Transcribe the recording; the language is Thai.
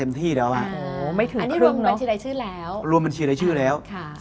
ชีวิตถูกบนบัญชีไร้ชื่อแล้ว